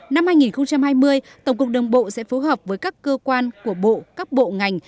năm hai nghìn hai mươi tổng cục đường bộ sẽ phối hợp với các cơ quan của bộ các bộ ngành